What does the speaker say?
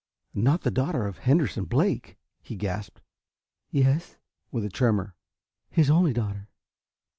"Not the daughter of Henderson Blake?" he gasped. "Yes," with a tremor, "his only daughter."